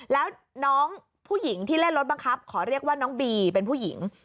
แล้วน้องผู้หญิงที่เล่นรถบังคับขอเรียกว่าน้องบีเป็นผู้หญิง